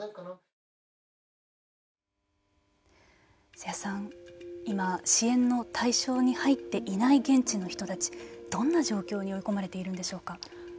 瀬谷さん、今支援の対象に入っていない現地の人たちどんな状況に追い込まれているんでしょうか。